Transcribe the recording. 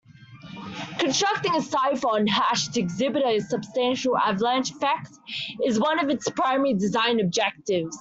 Constructing a cipher or hash to exhibit a substantial avalanche effect is one of its primary design objectives.